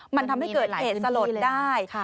มันทำให้เกิดเหตุสลดได้